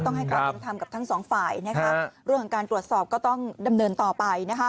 ต้องให้การการทำกับทั้งสองฝ่ายเรื่องการตรวจสอบก็ต้องดำเนินต่อไป